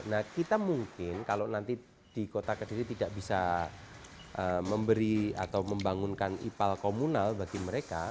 nah kita mungkin kalau nanti di kota kediri tidak bisa memberi atau membangunkan ipal komunal bagi mereka